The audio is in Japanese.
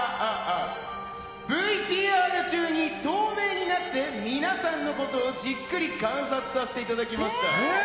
ＶＴＲ中に透明になって皆さんのことをじっくり観察させていただきました。